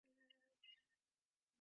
ޖެނުއަރީ